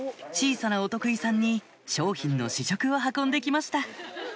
小さなお得意さんに商品の試食を運んで来ました